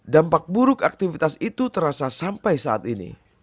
dampak buruk aktivitas itu terasa sampai saat ini